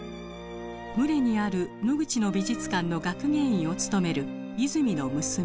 牟礼にあるノグチの美術館の学芸員を務める和泉の娘